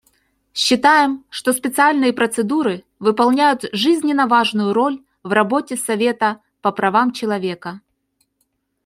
Считаем, что специальные процедуры выполняют жизненно важную роль в работе Совета по правам человека.